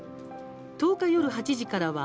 １０日、夜８時からは